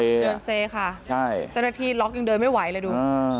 เดินเซค่ะใช่เจ้าหน้าที่ล็อกยังเดินไม่ไหวเลยดู